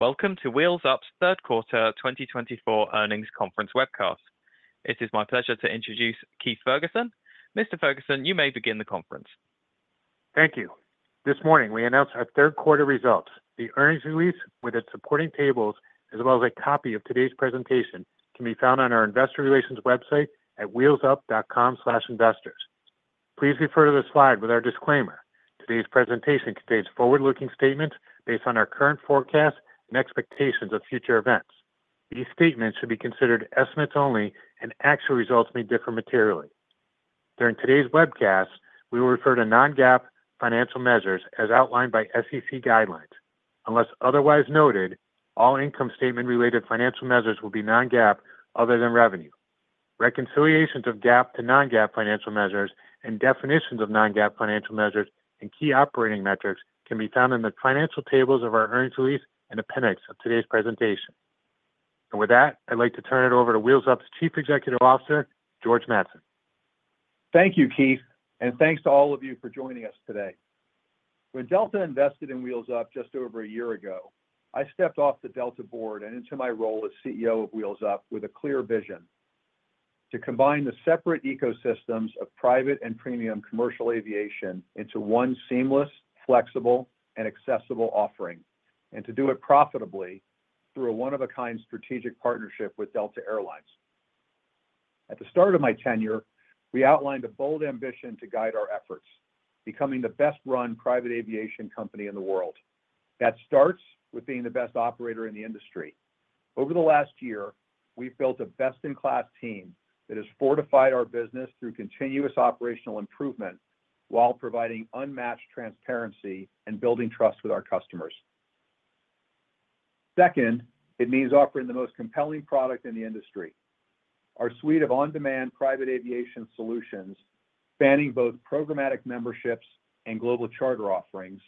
Welcome to Wheels Up's Third Quarter 2024 Earnings Conference webcast. It is my pleasure to introduce Keith Ferguson. Mr. Ferguson, you may begin the conference. Thank you. This morning, we announced our third quarter results. The earnings release, with its supporting tables, as well as a copy of today's presentation, can be found on our investor relations website at wheelsup.com/investors. Please refer to the slide with our disclaimer. Today's presentation contains forward-looking statements based on our current forecast and expectations of future events. These statements should be considered estimates only, and actual results may differ materially. During today's webcast, we will refer to non-GAAP financial measures as outlined by SEC guidelines. Unless otherwise noted, all income statement-related financial measures will be non-GAAP other than revenue. Reconciliations of GAAP to non-GAAP financial measures and definitions of non-GAAP financial measures and key operating metrics can be found in the financial tables of our earnings release and appendix of today's presentation, and with that, I'd like to turn it over to Wheels Up's Chief Executive Officer, George Mattson. Thank you, Keith, and thanks to all of you for joining us today. When Delta invested in Wheels Up just over a year ago, I stepped off the Delta board and into my role as CEO of Wheels Up with a clear vision: to combine the separate ecosystems of private and premium commercial aviation into one seamless, flexible, and accessible offering, and to do it profitably through a one-of-a-kind strategic partnership with Delta Air Lines. At the start of my tenure, we outlined a bold ambition to guide our efforts: becoming the best-run private aviation company in the world. That starts with being the best operator in the industry. Over the last year, we've built a best-in-class team that has fortified our business through continuous operational improvement while providing unmatched transparency and building trust with our customers. Second, it means offering the most compelling product in the industry. Our suite of on-demand private aviation solutions, spanning both programmatic memberships and global charter offerings,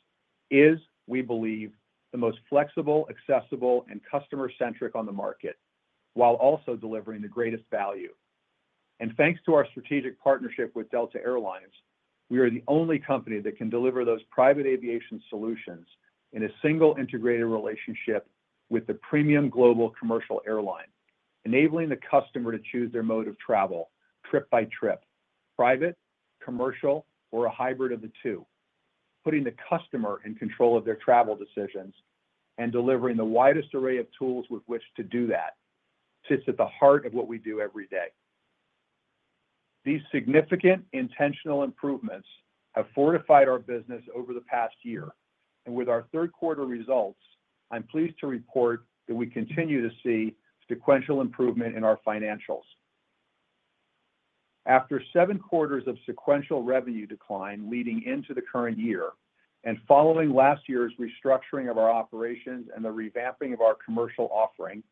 is, we believe, the most flexible, accessible, and customer-centric on the market, while also delivering the greatest value, and thanks to our strategic partnership with Delta Air Lines, we are the only company that can deliver those private aviation solutions in a single integrated relationship with the premium global commercial airline, enabling the customer to choose their mode of travel trip by trip: private, commercial, or a hybrid of the two, putting the customer in control of their travel decisions and delivering the widest array of tools with which to do that. It sits at the heart of what we do every day. These significant intentional improvements have fortified our business over the past year, and with our third quarter results, I'm pleased to report that we continue to see sequential improvement in our financials. After seven quarters of sequential revenue decline leading into the current year and following last year's restructuring of our operations and the revamping of our commercial offering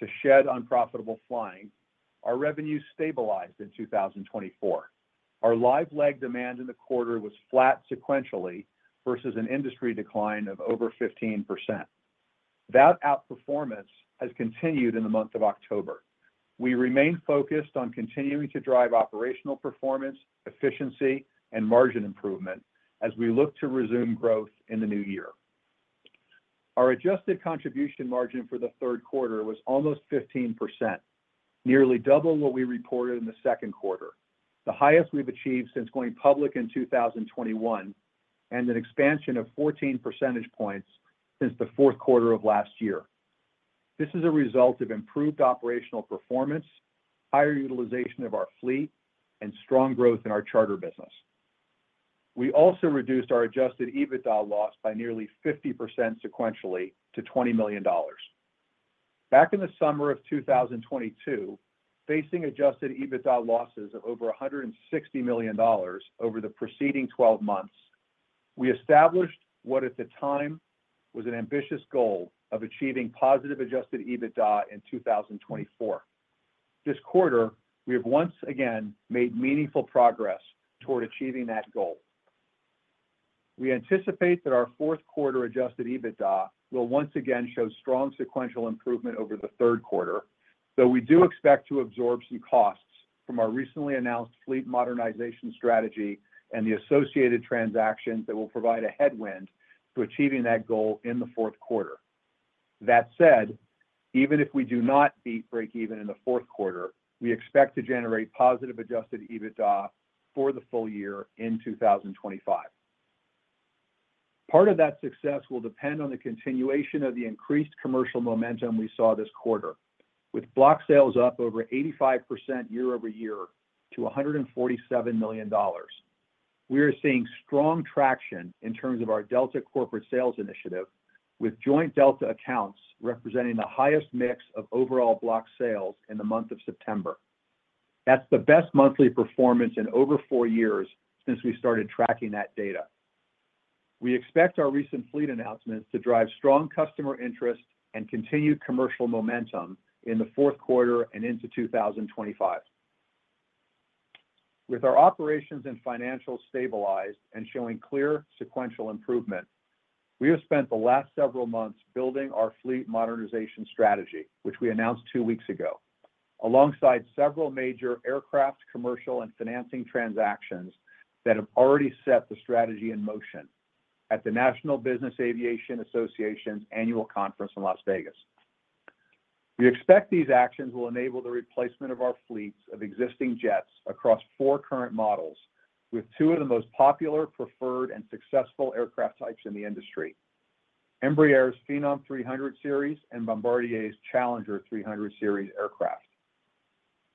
to shed unprofitable flying, our revenues stabilized in 2024. Our live leg demand in the quarter was flat sequentially versus an industry decline of over 15%. That outperformance has continued in the month of October. We remain focused on continuing to drive operational performance, efficiency, and margin improvement as we look to resume growth in the new year. Our adjusted contribution margin for the third quarter was almost 15%, nearly double what we reported in the second quarter, the highest we've achieved since going public in 2021, and an expansion of 14 percentage points since the fourth quarter of last year. This is a result of improved operational performance, higher utilization of our fleet, and strong growth in our charter business. We also reduced our adjusted EBITDA loss by nearly 50% sequentially to $20 million. Back in the summer of 2022, facing adjusted EBITDA losses of over $160 million over the preceding 12 months, we established what at the time was an ambitious goal of achieving positive adjusted EBITDA in 2024. This quarter, we have once again made meaningful progress toward achieving that goal. We anticipate that our fourth quarter adjusted EBITDA will once again show strong sequential improvement over the third quarter, though we do expect to absorb some costs from our recently announced fleet modernization strategy and the associated transactions that will provide a headwind to achieving that goal in the fourth quarter. That said, even if we do not beat break-even in the fourth quarter, we expect to generate positive adjusted EBITDA for the full year in 2025. Part of that success will depend on the continuation of the increased commercial momentum we saw this quarter, with block sales up over 85% year over year to $147 million. We are seeing strong traction in terms of our Delta corporate sales initiative, with joint Delta accounts representing the highest mix of overall block sales in the month of September. That's the best monthly performance in over four years since we started tracking that data. We expect our recent fleet announcements to drive strong customer interest and continued commercial momentum in the fourth quarter and into 2025. With our operations and financials stabilized and showing clear sequential improvement, we have spent the last several months building our fleet modernization strategy, which we announced two weeks ago, alongside several major aircraft commercial and financing transactions that have already set the strategy in motion at the National Business Aviation Association's annual conference in Las Vegas. We expect these actions will enable the replacement of our fleets of existing jets across four current models, with two of the most popular, preferred, and successful aircraft types in the industry: Embraer's Phenom 300 series and Bombardier's Challenger 300 series aircraft.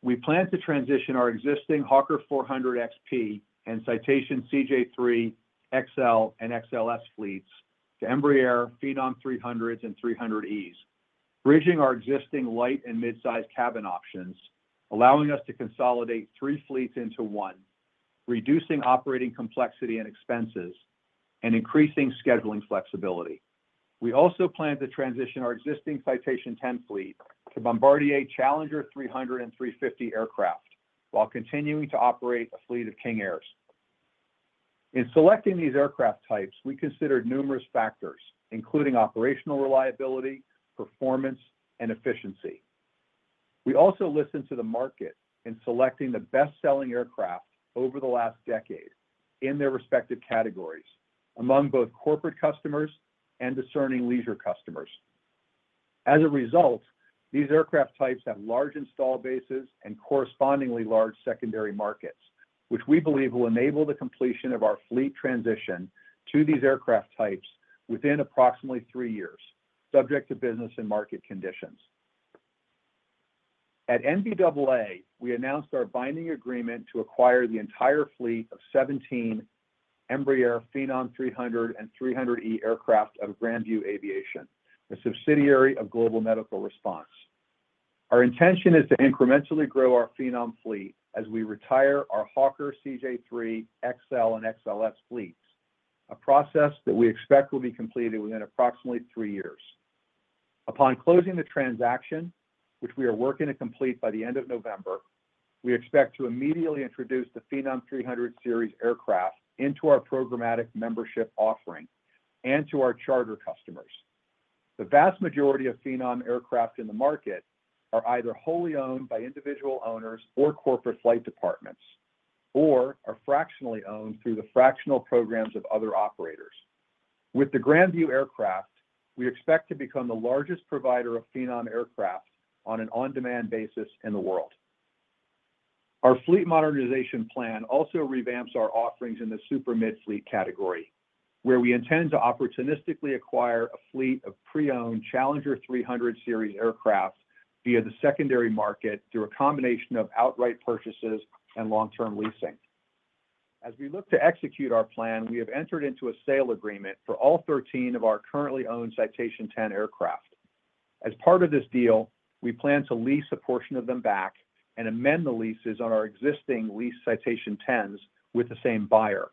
We plan to transition our existing Hawker 400XP and Citation CJ3, XL and XLS fleets to Embraer Phenom 300s and 300Es, bridging our existing light and mid-size cabin options, allowing us to consolidate three fleets into one, reducing operating complexity and expenses, and increasing scheduling flexibility. We also plan to transition our existing Citation X fleet to Bombardier Challenger 300 and 350 aircraft while continuing to operate a fleet of King Airs. In selecting these aircraft types, we considered numerous factors, including operational reliability, performance, and efficiency. We also listened to the market in selecting the best-selling aircraft over the last decade in their respective categories, among both corporate customers and discerning leisure customers. As a result, these aircraft types have large install bases and correspondingly large secondary markets, which we believe will enable the completion of our fleet transition to these aircraft types within approximately three years, subject to business and market conditions. At NBAA, we announced our binding agreement to acquire the entire fleet of 17 Embraer Phenom 300 and 300E aircraft of Grandview Aviation, a subsidiary of Global Medical Response. Our intention is to incrementally grow our Phenom fleet as we retire our Hawker, CJ3, XL, and XLS fleets, a process that we expect will be completed within approximately three years. Upon closing the transaction, which we are working to complete by the end of November, we expect to immediately introduce the Phenom 300 series aircraft into our programmatic membership offering and to our charter customers. The vast majority of Phenom aircraft in the market are either wholly owned by individual owners or corporate flight departments, or are fractionally owned through the fractional programs of other operators. With the Grandview aircraft, we expect to become the largest provider of Phenom aircraft on an on-demand basis in the world. Our fleet modernization plan also revamps our offerings in the super-midsize fleet category, where we intend to opportunistically acquire a fleet of pre-owned Challenger 300 series aircraft via the secondary market through a combination of outright purchases and long-term leasing. As we look to execute our plan, we have entered into a sale agreement for all 13 of our currently owned Citation X aircraft. As part of this deal, we plan to lease a portion of them back and amend the leases on our existing leased Citation Xs with the same buyer.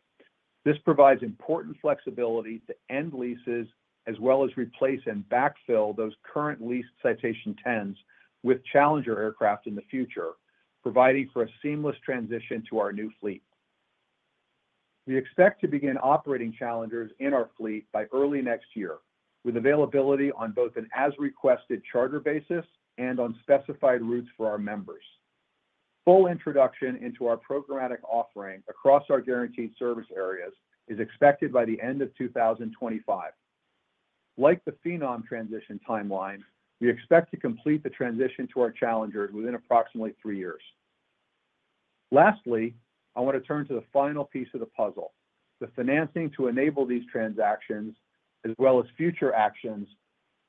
This provides important flexibility to end leases as well as replace and backfill those current leased Citation Xs with Challenger aircraft in the future, providing for a seamless transition to our new fleet. We expect to begin operating Challengers in our fleet by early next year, with availability on both an as-requested charter basis and on specified routes for our members. Full introduction into our programmatic offering across our guaranteed service areas is expected by the end of 2025. Like the Phenom transition timeline, we expect to complete the transition to our Challengers within approximately three years. Lastly, I want to turn to the final piece of the puzzle: the financing to enable these transactions, as well as future actions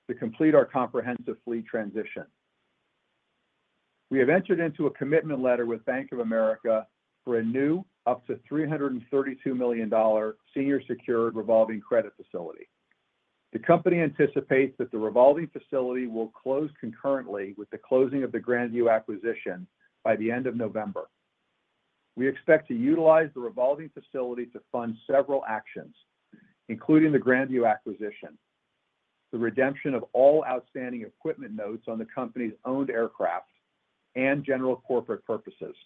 to complete our comprehensive fleet transition. We have entered into a commitment letter with Bank of America for a new, up to $332 million senior secured revolving credit facility. The company anticipates that the revolving facility will close concurrently with the closing of the Grandview acquisition by the end of November. We expect to utilize the revolving facility to fund several actions, including the Grandview acquisition, the redemption of all outstanding equipment notes on the company's owned aircraft, and general corporate purposes.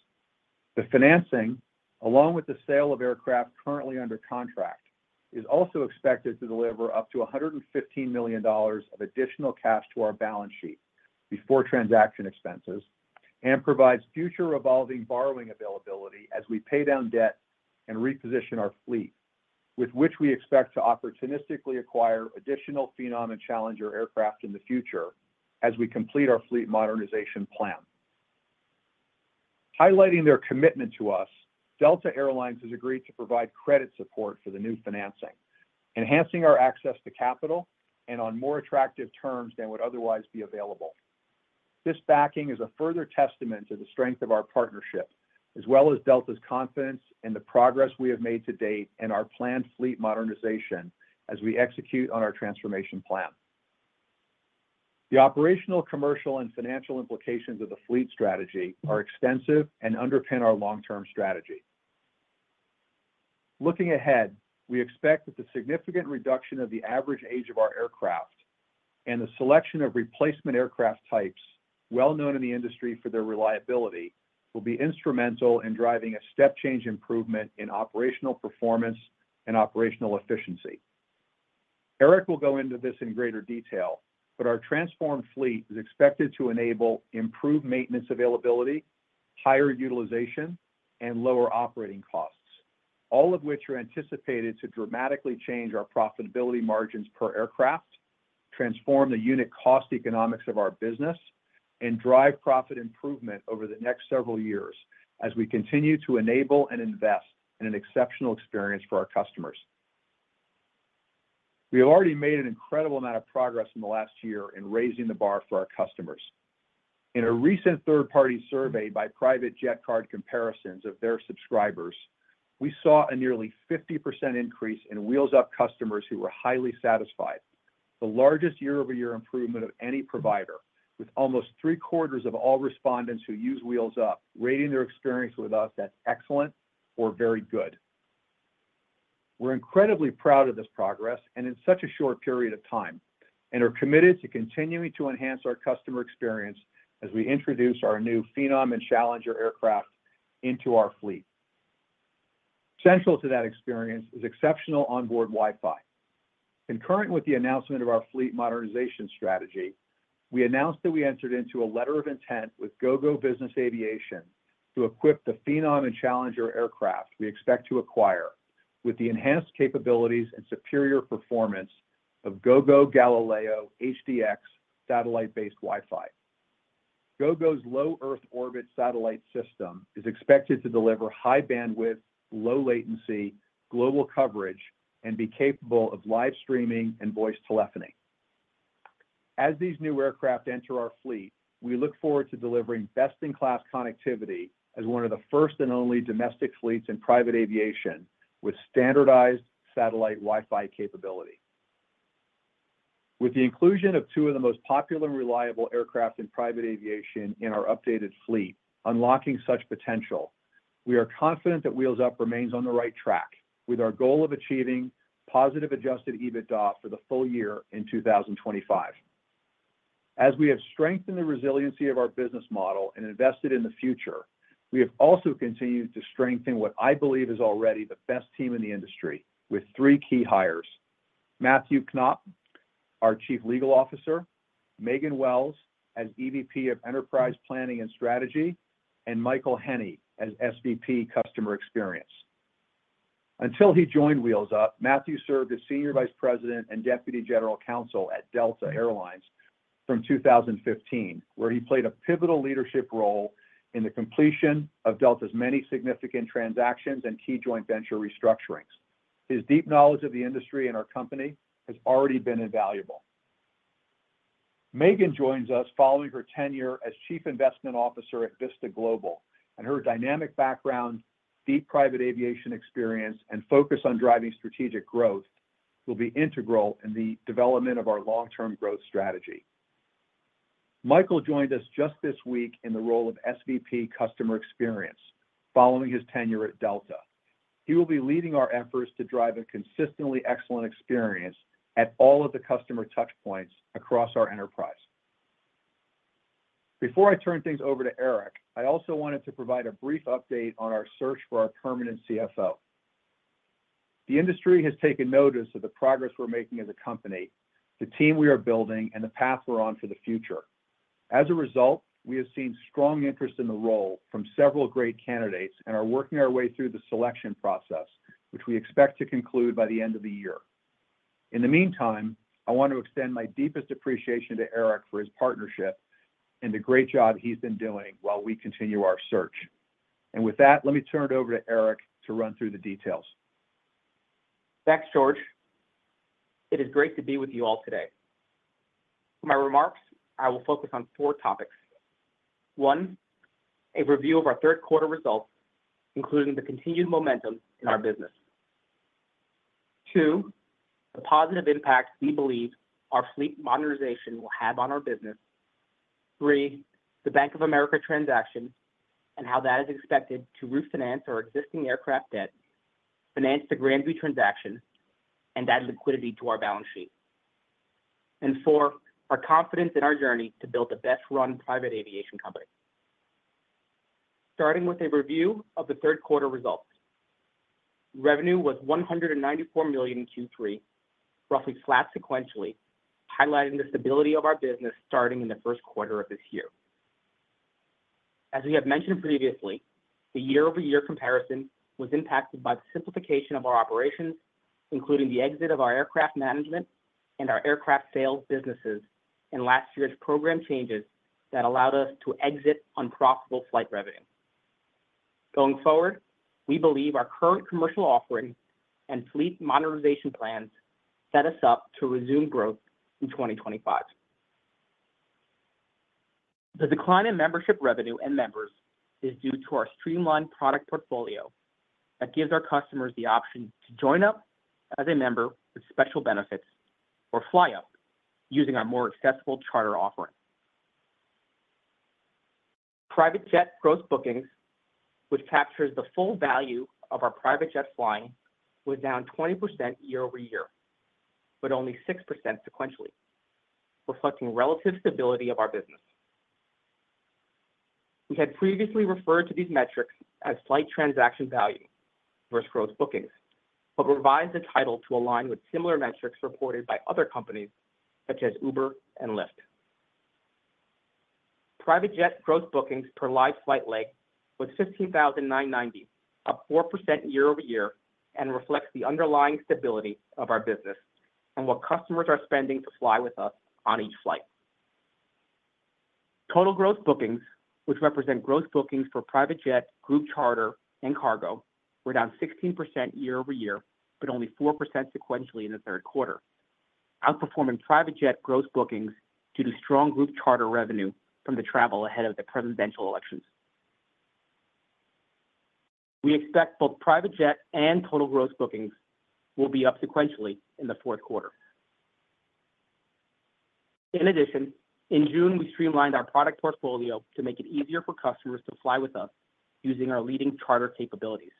The financing, along with the sale of aircraft currently under contract, is also expected to deliver up to $115 million of additional cash to our balance sheet before transaction expenses, and provides future revolving borrowing availability as we pay down debt and reposition our fleet, with which we expect to opportunistically acquire additional Phenom and Challenger aircraft in the future as we complete our fleet modernization plan. Highlighting their commitment to us, Delta Air Lines has agreed to provide credit support for the new financing, enhancing our access to capital and on more attractive terms than would otherwise be available. This backing is a further testament to the strength of our partnership, as well as Delta's confidence in the progress we have made to date and our planned fleet modernization as we execute on our transformation plan. The operational, commercial, and financial implications of the fleet strategy are extensive and underpin our long-term strategy. Looking ahead, we expect that the significant reduction of the average age of our aircraft and the selection of replacement aircraft types, well known in the industry for their reliability, will be instrumental in driving a step-change improvement in operational performance and operational efficiency. Eric will go into this in greater detail, but our transformed fleet is expected to enable improved maintenance availability, higher utilization, and lower operating costs, all of which are anticipated to dramatically change our profitability margins per aircraft, transform the unit cost economics of our business, and drive profit improvement over the next several years as we continue to enable and invest in an exceptional experience for our customers. We have already made an incredible amount of progress in the last year in raising the bar for our customers. In a recent third-party survey by Private Jet Card Comparisons of their subscribers, we saw a nearly 50% increase in Wheels Up customers who were highly satisfied, the largest year-over-year improvement of any provider, with almost three-quarters of all respondents who use Wheels Up rating their experience with us as excellent or very good. We're incredibly proud of this progress and in such a short period of time and are committed to continuing to enhance our customer experience as we introduce our new Phenom and Challenger aircraft into our fleet. Central to that experience is exceptional onboard Wi-Fi. Concurrent with the announcement of our fleet modernization strategy, we announced that we entered into a letter of intent with Gogo Business Aviation to equip the Phenom and Challenger aircraft we expect to acquire with the enhanced capabilities and superior performance of Gogo Galileo HDX satellite-based Wi-Fi. Gogo's low Earth orbit satellite system is expected to deliver high bandwidth, low latency, global coverage, and be capable of live streaming and voice telephony. As these new aircraft enter our fleet, we look forward to delivering best-in-class connectivity as one of the first and only domestic fleets in private aviation with standardized satellite Wi-Fi capability. With the inclusion of two of the most popular and reliable aircraft in private aviation in our updated fleet, unlocking such potential, we are confident that Wheels Up remains on the right track with our goal of achieving positive Adjusted EBITDA for the full year in 2025. As we have strengthened the resiliency of our business model and invested in the future, we have also continued to strengthen what I believe is already the best team in the industry with three key hires: Matthew Knopf, our Chief Legal Officer, Meghan Wells as EVP of Enterprise Planning and Strategy, and Michael Henny as SVP Customer Experience. Until he joined Wheels Up, Matthew served as Senior Vice President and Deputy General Counsel at Delta Air Lines from 2015, where he played a pivotal leadership role in the completion of Delta's many significant transactions and key joint venture restructurings. His deep knowledge of the industry and our company has already been invaluable. Meghan joins us following her tenure as Chief Investment Officer at Vista Global, and her dynamic background, deep private aviation experience, and focus on driving strategic growth will be integral in the development of our long-term growth strategy. Michael joined us just this week in the role of SVP Customer Experience following his tenure at Delta. He will be leading our efforts to drive a consistently excellent experience at all of the customer touchpoints across our enterprise. Before I turn things over to Eric, I also wanted to provide a brief update on our search for our permanent CFO. The industry has taken notice of the progress we're making as a company, the team we are building, and the path we're on for the future. As a result, we have seen strong interest in the role from several great candidates and are working our way through the selection process, which we expect to conclude by the end of the year. In the meantime, I want to extend my deepest appreciation to Eric for his partnership and the great job he's been doing while we continue our search. And with that, let me turn it over to Eric to run through the details. Thanks, George. It is great to be with you all today. My remarks, I will focus on four topics. One, a review of our third-quarter results, including the continued momentum in our business. Two, the positive impact we believe our fleet modernization will have on our business. Three, the Bank of America transaction and how that is expected to refinance our existing aircraft debt, finance the Grandview transaction, and add liquidity to our balance sheet. And four, our confidence in our journey to build the best-run private aviation company. Starting with a review of the third-quarter results, revenue was $194 million Q3, roughly flat sequentially, highlighting the stability of our business starting in the first quarter of this year. As we have mentioned previously, the year-over-year comparison was impacted by the simplification of our operations, including the exit of our aircraft management and our aircraft sales businesses and last year's program changes that allowed us to exit unprofitable flight revenue. Going forward, we believe our current commercial offering and fleet modernization plans set us up to resume growth in 2025. The decline in membership revenue and members is due to our streamlined product portfolio that gives our customers the option to join up as a member with special benefits or fly up using our more accessible charter offering. Private jet gross bookings, which captures the full value of our private jet flying, was down 20% year-over-year, but only 6% sequentially, reflecting relative stability of our business. We had previously referred to these metrics as flight transaction value versus gross bookings, but revised the title to align with similar metrics reported by other companies such as Uber and Lyft. Private jet gross bookings per live flight leg was $15,990, up 4% year-over-year, and reflects the underlying stability of our business and what customers are spending to fly with us on each flight. Total gross bookings, which represent gross bookings for private jet, group charter, and cargo, were down 16% year-over-year, but only 4% sequentially in the third quarter, outperforming private jet gross bookings due to strong group charter revenue from the travel ahead of the presidential elections. We expect both private jet and total gross bookings will be up sequentially in the fourth quarter. In addition, in June, we streamlined our product portfolio to make it easier for customers to fly with us using our leading charter capabilities.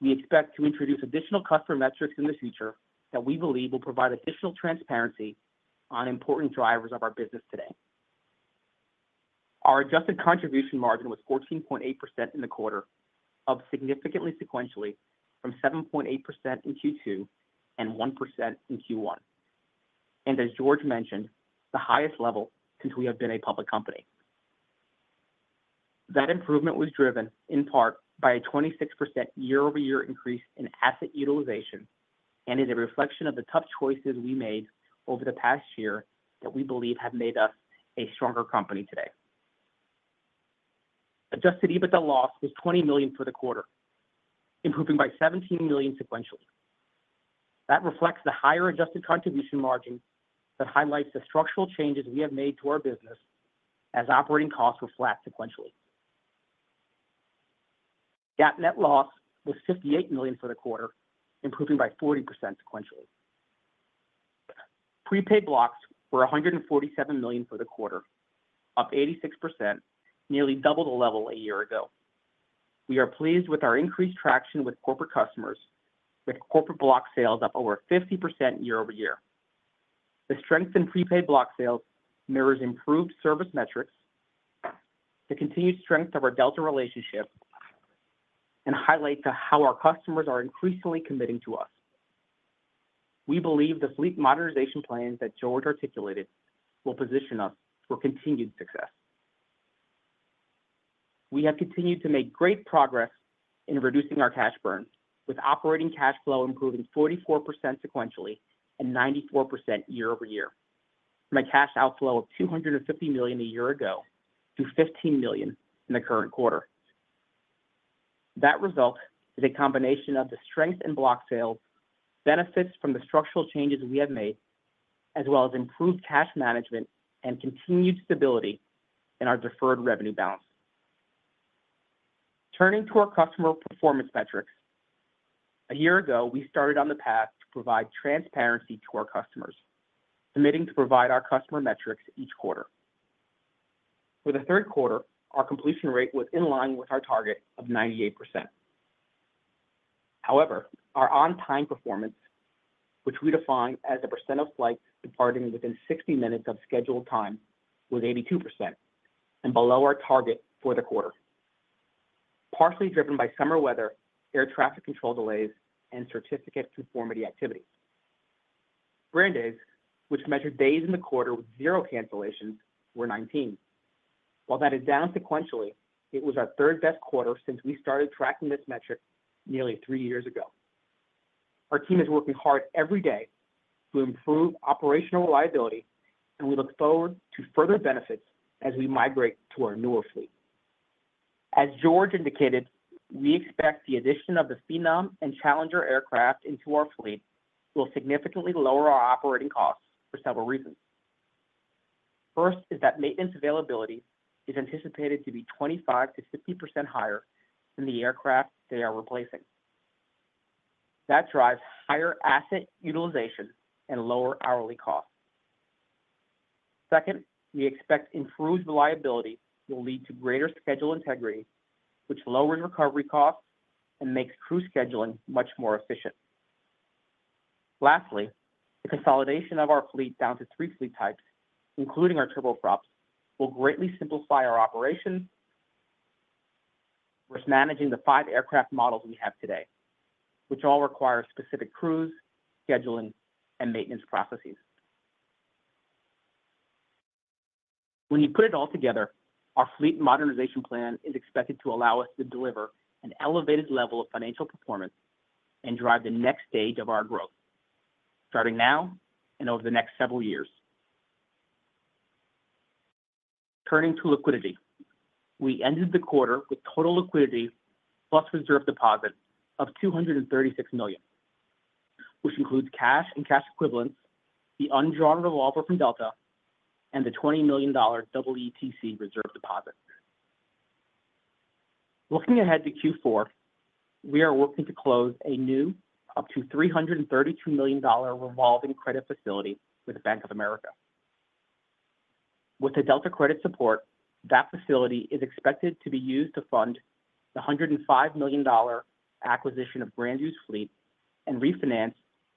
We expect to introduce additional customer metrics in the future that we believe will provide additional transparency on important drivers of our business today. Our Adjusted Contribution Margin was 14.8% in the quarter, up significantly sequentially from 7.8% in Q2 and 1% in Q1, and as George mentioned, the highest level since we have been a public company. That improvement was driven in part by a 26% year-over-year increase in asset utilization and is a reflection of the tough choices we made over the past year that we believe have made us a stronger company today. Adjusted EBITDA loss was $20 million for the quarter, improving by $17 million sequentially. That reflects the higher adjusted contribution margin that highlights the structural changes we have made to our business as operating costs were flat sequentially. GAAP net loss was $58 million for the quarter, improving by 40% sequentially. Prepaid blocks were $147 million for the quarter, up 86%, nearly double the level a year ago. We are pleased with our increased traction with corporate customers, with corporate block sales up over 50% year-over-year. The strength in prepaid block sales mirrors improved service metrics, the continued strength of our Delta relationship, and highlights how our customers are increasingly committing to us. We believe the fleet modernization plans that George articulated will position us for continued success. We have continued to make great progress in reducing our cash burn, with operating cash flow improving 44% sequentially and 94% year-over-year, from a cash outflow of $250 million a year ago to $15 million in the current quarter. That result is a combination of the strength in block sales, benefits from the structural changes we have made, as well as improved cash management and continued stability in our deferred revenue balance. Turning to our customer performance metrics, a year ago, we started on the path to provide transparency to our customers, committing to provide our customer metrics each quarter. For the third quarter, our completion rate was in line with our target of 98%. However, our on-time performance, which we define as a percent of flights departing within 60 minutes of scheduled time, was 82% and below our target for the quarter, partially driven by summer weather, air traffic control delays, and certificate conformity activities. Brand Days, which measured days in the quarter with zero cancellations, were 19. While that is down sequentially, it was our third-best quarter since we started tracking this metric nearly three years ago. Our team is working hard every day to improve operational reliability, and we look forward to further benefits as we migrate to our newer fleet. As George indicated, we expect the addition of the Phenom and Challenger aircraft into our fleet will significantly lower our operating costs for several reasons. First is that maintenance availability is anticipated to be 25%-50% higher than the aircraft they are replacing. That drives higher asset utilization and lower hourly costs. Second, we expect improved reliability will lead to greater schedule integrity, which lowers recovery costs and makes crew scheduling much more efficient. Lastly, the consolidation of our fleet down to three fleet types, including our turboprops, will greatly simplify our operations versus managing the five aircraft models we have today, which all require specific crews, scheduling, and maintenance processes. When you put it all together, our fleet modernization plan is expected to allow us to deliver an elevated level of financial performance and drive the next stage of our growth, starting now and over the next several years. Turning to liquidity, we ended the quarter with total liquidity plus reserve deposit of $236 million, which includes cash and cash equivalents, the un-drawn revolver from Delta, and the $20 million ETC reserve deposit. Looking ahead to Q4, we are working to close a new, up to $332 million revolving credit facility with Bank of America. With Delta's credit support, that facility is expected to be used to fund the $105 million acquisition of Grandview's fleet and refinance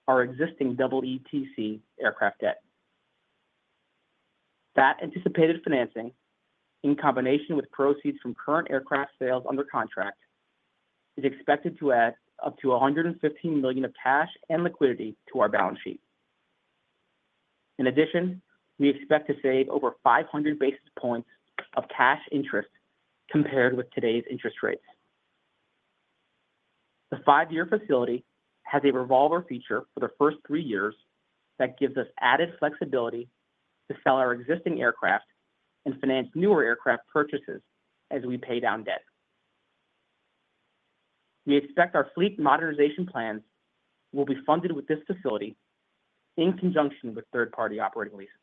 our existing ETC aircraft debt. That anticipated financing, in combination with proceeds from current aircraft sales under contract, is expected to add up to $115 million of cash and liquidity to our balance sheet. In addition, we expect to save over 500 basis points of cash interest compared with today's interest rates. The five-year facility has a revolver feature for the first three years that gives us added flexibility to sell our existing aircraft and finance newer aircraft purchases as we pay down debt. We expect our fleet modernization plans will be funded with this facility in conjunction with third-party operating leases.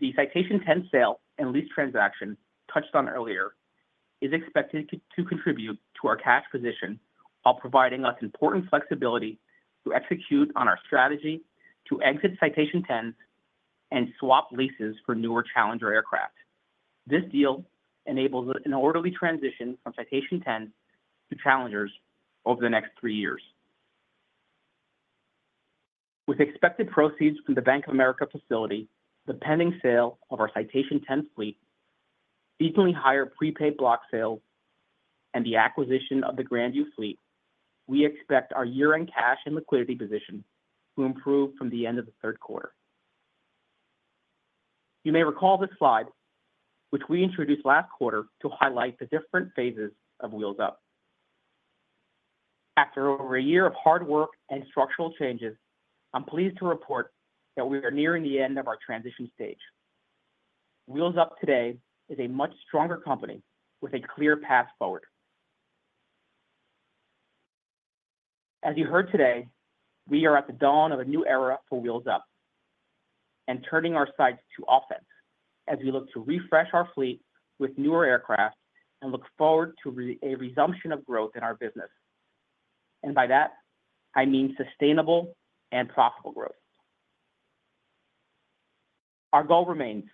The Citation X sale and lease transaction touched on earlier is expected to contribute to our cash position while providing us important flexibility to execute on our strategy to exit Citation Xs and swap leases for newer Challenger aircraft. This deal enables an orderly transition from Citation Xs to Challengers over the next three years. With expected proceeds from the Bank of America facility, the pending sale of our Citation X fleet, even higher prepaid block sales, and the acquisition of the Grandview fleet, we expect our year-end cash and liquidity position to improve from the end of the third quarter. You may recall this slide, which we introduced last quarter to highlight the different phases of Wheels Up. After over a year of hard work and structural changes, I'm pleased to report that we are nearing the end of our transition stage. Wheels Up today is a much stronger company with a clear path forward. As you heard today, we are at the dawn of a new era for Wheels Up and turning our sights to offense as we look to refresh our fleet with newer aircraft and look forward to a resumption of growth in our business, and by that, I mean sustainable and profitable growth. Our goal remains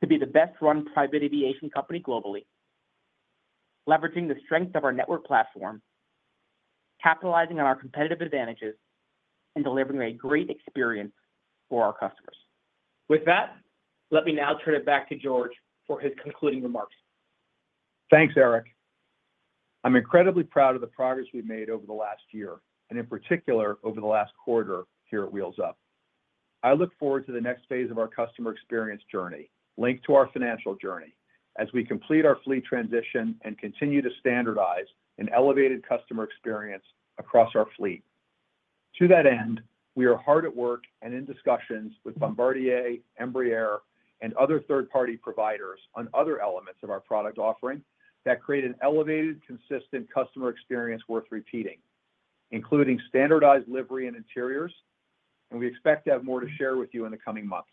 to be the best-run private aviation company globally, leveraging the strength of our network platform, capitalizing on our competitive advantages, and delivering a great experience for our customers. With that, let me now turn it back to George for his concluding remarks. Thanks, Eric. I'm incredibly proud of the progress we've made over the last year, and in particular over the last quarter here at Wheels Up. I look forward to the next phase of our customer experience journey linked to our financial journey as we complete our fleet transition and continue to standardize an elevated customer experience across our fleet. To that end, we are hard at work and in discussions with Bombardier, Embraer, and other third-party providers on other elements of our product offering that create an elevated, consistent customer experience worth repeating, including standardized livery and interiors, and we expect to have more to share with you in the coming months.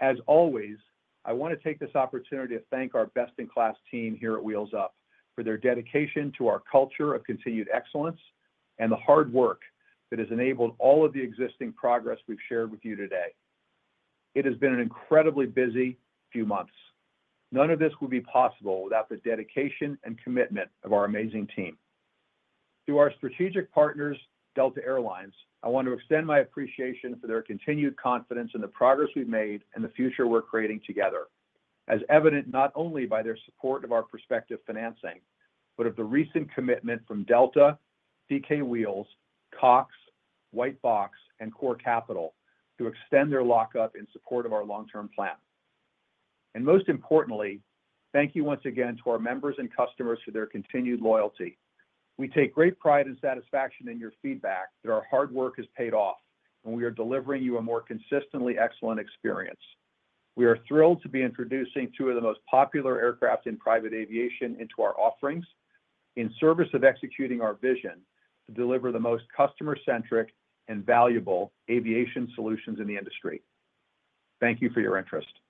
As always, I want to take this opportunity to thank our best-in-class team here at Wheels Up for their dedication to our culture of continued excellence and the hard work that has enabled all of the existing progress we've shared with you today. It has been an incredibly busy few months. None of this would be possible without the dedication and commitment of our amazing team. To our strategic partners, Delta Air Lines, I want to extend my appreciation for their continued confidence in the progress we've made and the future we're creating together, as evident not only by their support of our prospective financing, but of the recent commitment from Delta, CK Wheels, Cox, Whitebox, and Kora Capital to extend their lockup in support of our long-term plan. And most importantly, thank you once again to our members and customers for their continued loyalty. We take great pride and satisfaction in your feedback that our hard work has paid off, and we are delivering you a more consistently excellent experience. We are thrilled to be introducing two of the most popular aircraft in private aviation into our offerings in service of executing our vision to deliver the most customer-centric and valuable aviation solutions in the industry. Thank you for your interest.